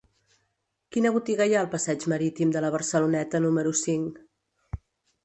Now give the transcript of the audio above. Quina botiga hi ha al passeig Marítim de la Barceloneta número cinc?